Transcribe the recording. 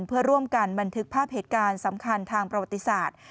เพื่อร่วมกันบันทึกภาพเหตุการณ์สำคัญทางประวัติศาสตร์